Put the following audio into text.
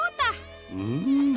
うん。